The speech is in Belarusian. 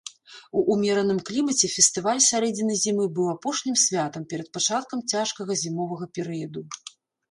У ўмераным клімаце фестываль сярэдзіны зімы быў апошнім святам перад пачаткам цяжкага зімовага перыяду.